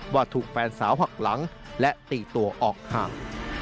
ว่าถูกแฟนสาวหักหลังและตีตัวออกห่าง